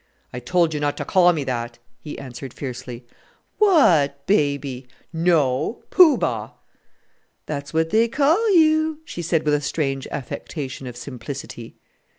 "I told you not to call me that!" he answered fiercely. "What baby?" "No, Poo Bah!" "That's what they call you," she said with a strange affectation of simplicity.